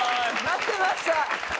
・・待ってました！